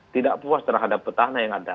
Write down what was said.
tidak puas terhadap petahana yang ada